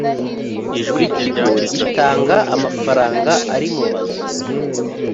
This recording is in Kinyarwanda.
buri kigo gitanga amafaranga arimumazu